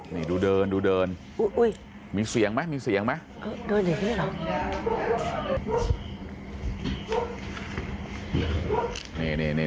นี่ดูเดินดูเดินมีเสียงไหมมีเสียงไหมเดินอย่างนี้เหรอ